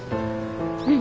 うん。